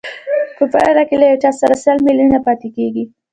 په پایله کې له هغه سره سل میلیونه پاتېږي